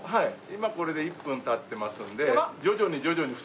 今これで１分経ってますので。